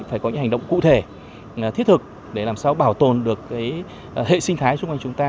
phải có những hành động cụ thể thiết thực để làm sao bảo tồn được hệ sinh thái xung quanh chúng ta